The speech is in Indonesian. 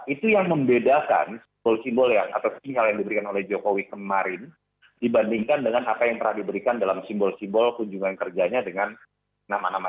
itu yang membedakan simbol simbol atau sinyal yang diberikan oleh jokowi kemarin dibandingkan dengan apa yang pernah diberikan dalam simbol simbol kunjungan kerjanya dengan nama nama